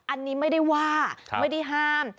อันนี้ไม่ได้ว่าไม่ได้ห้าม